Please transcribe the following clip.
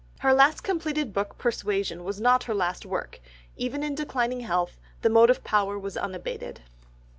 Her last completed book Persuasion was not her last work, even in declining strength the motive power was unabated.